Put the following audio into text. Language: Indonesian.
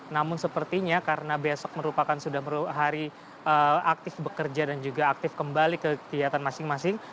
namun sepertinya karena besok merupakan sudah hari aktif bekerja dan juga aktif kembali ke kegiatan masing masing